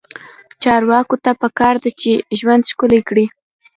چارواکو ته پکار ده چې، ژوند ښکلی کړي.